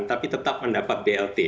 tapi tetap mendapat blt